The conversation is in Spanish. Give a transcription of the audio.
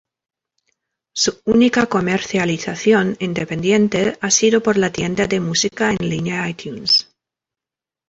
Su única comercialización independiente ha sido por la tienda de música en línea iTunes.